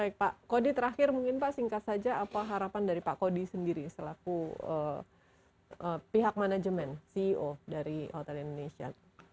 baik pak kody terakhir mungkin pak singkat saja apa harapan dari pak kodi sendiri selaku pihak manajemen ceo dari hotel indonesia